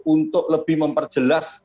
untuk lebih memperjelas